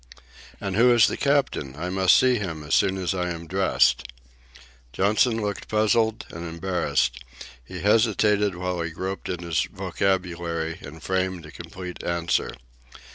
"And who is the captain? I must see him as soon as I am dressed." Johnson looked puzzled and embarrassed. He hesitated while he groped in his vocabulary and framed a complete answer.